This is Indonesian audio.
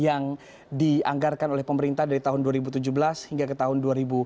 yang dianggarkan oleh pemerintah dari tahun dua ribu tujuh belas hingga ke tahun dua ribu tujuh belas